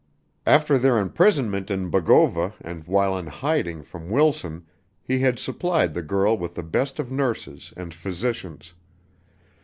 After their imprisonment in Bogova and while in hiding from Wilson he had supplied the girl with the best of nurses and physicians.